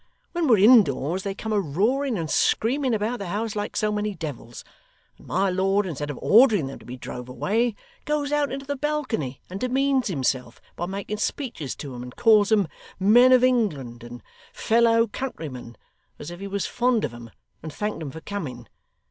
When we're indoors, they come a roaring and screaming about the house like so many devils; and my lord instead of ordering them to be drove away, goes out into the balcony and demeans himself by making speeches to 'em, and calls 'em "Men of England," and "Fellow countrymen," as if he was fond of 'em and thanked 'em for coming.